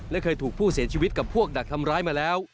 และเคยถูกผู้เสียชีวิตกับพวกดักทำร้ายมาแล้ว